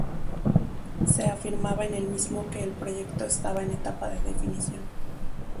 Se afirmaba en el mismo que el proyecto estaba en etapa de definición.